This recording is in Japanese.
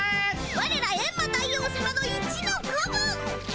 ワレらエンマ大王さまの一の子分！